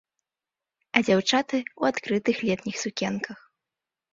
А дзяўчаты ў адкрытых летніх сукенках.